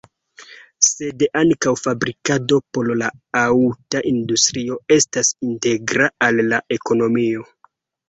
Sed ankaŭ fabrikado por la aŭta industrio estas integra al la ekonomio.